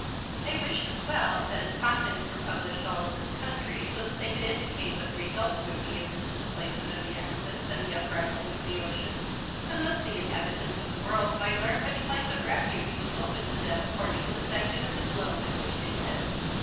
They wished as well that its contents were published all over the country, so that they could indicate what the results would be of this displacement of the axis and the uprising of the oceans, and thus the inhabitants of the world might learn which place of refuge was open to them according to the section of the globe in which they lived.